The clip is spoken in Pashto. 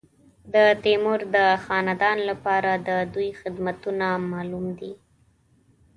د تیمور د خاندان لپاره د دوی خدمتونه معلوم دي.